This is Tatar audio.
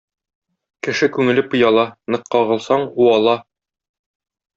Кеше күңеле пыяла, нык кагылсаң уала.